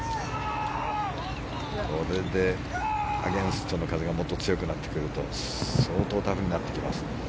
これでアゲンストの風がもっと強くなってくると相当タフになってきます。